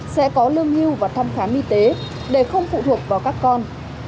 sẽ có lương hưu và thăm khám y tế để không phụ thuộc vào các con